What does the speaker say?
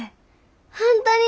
本当に？